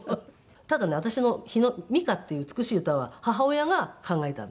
ただね私の「日野美歌」っていう「美しい歌」は母親が考えたんですけどね。